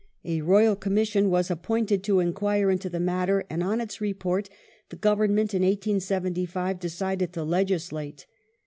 A Royal Commission was appointed to enquire into the matter, and on its Report the Government in 1875 decided to legislate.